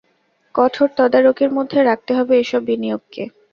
কঠোর তদারকির মধ্যে রাখতে হবে এসব বিনিয়োগকে।